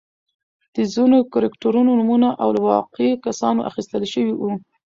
د ځینو کرکټرونو نومونه له واقعي کسانو اخیستل شوي وو.